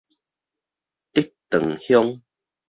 竹塘鄉